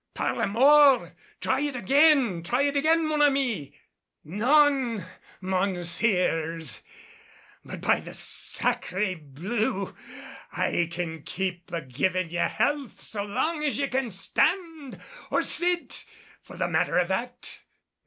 "Par la mort! try it again, try it, mon ami!" "Non, mounseers, but by the sakrey blue, I can keep a givin' ye healths so long as ye can stand or sit for the matter o' that."